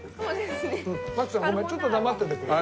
ちょっと黙っててくれる？